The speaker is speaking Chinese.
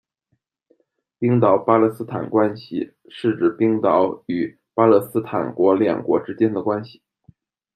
冰岛－巴勒斯坦关系，是指冰岛与巴勒斯坦国两国之间的关系。